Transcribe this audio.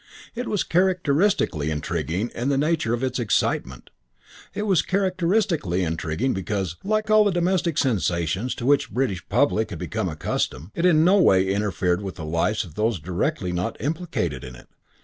It was characteristically intriguing in the nature of its excitement. It was characteristically intriguing because, like all the domestic sensations to which the British Public had become accustomed, it in no way interfered with the lives of those not directly implicated in it.